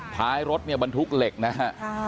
ท้ายรถเนี่ยบรรทุกเหล็กนะฮะ